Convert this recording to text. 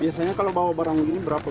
biasanya kalau bawa barang begini berapa pak